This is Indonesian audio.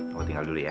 aku tinggal dulu ya